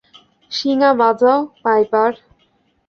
শিঙা বাজাও, পাইপার!